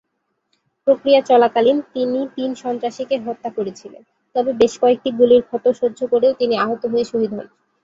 প্রক্রিয়া চলাকালীন, তিনি তিন সন্ত্রাসীকে হত্যা করেছিলেন, তবে বেশ কয়েকটি গুলির ক্ষত সহ্য করে তিনি আহত হয়ে শহীদ হন।